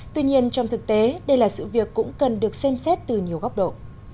tuy nhiên trong thực tế đây là sự việc cũng cần được xem xét từ nhiều góc độ